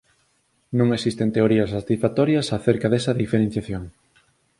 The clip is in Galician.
Non existen teorías satisfactorias acerca desta diferenciación